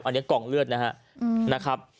อันนี้กล่องเลือดนะครับ